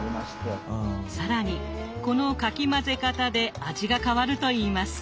更にこのかき混ぜ方で味が変わると言います。